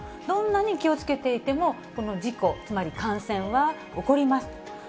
どんなに気をつけていても、この事故、つまり感染は起こります。